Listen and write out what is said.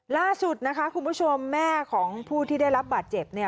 ล่าสุดนะคะคุณผู้ชมแม่ของผู้ที่ได้รับบาดเจ็บเนี่ย